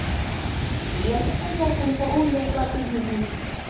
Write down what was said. ulio mkubwa kuliko ule wa kijiji.